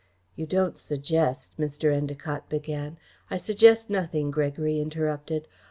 "You don't suggest," Mr. Endacott began "I suggest nothing," Gregory interrupted.